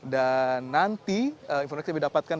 dan nanti informasi yang didapatkan